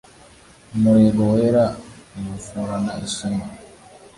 Umurego wera nywuforana ishema